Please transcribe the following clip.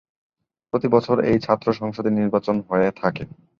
প্রতি বছর এই ছাত্র সংসদে নির্বাচন হয়ে থাকে।